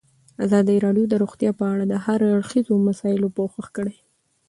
ازادي راډیو د روغتیا په اړه د هر اړخیزو مسایلو پوښښ کړی.